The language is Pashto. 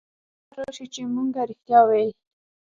بيا به يې باور رايشي چې مونګه رښتيا ويل.